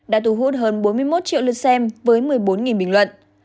đã thu hút hơn bốn mươi một triệu lượt xem với một mươi bốn bình luận